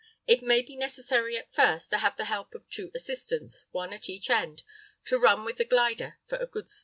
It may be necessary at first to have the help of two assistants, one at each end, to run with the glider for a good start.